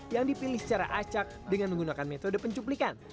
yang dipilih secara acak dengan menggunakan metode pencuplikan